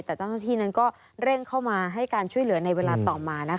แต่เจ้าหน้าที่นั้นก็เร่งเข้ามาให้การช่วยเหลือในเวลาต่อมานะคะ